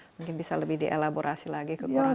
mungkin bisa lebih di elaborasi lagi kekurangan